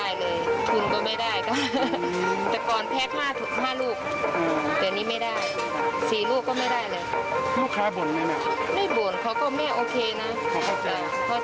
แต่ก่อนแพ็ก๕ลูกแต่นี่ไม่ได้๔ลูกก็ไม่ได้เลยลูกค้าบ่นไหมไม่บ่นเขาก็ไม่โอเคนะ